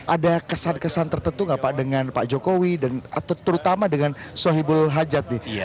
ada kesan kesan tertentu nggak pak dengan pak jokowi dan terutama dengan sohibul hajat nih